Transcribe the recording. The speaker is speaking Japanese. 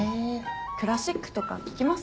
クラシックとか聴きます？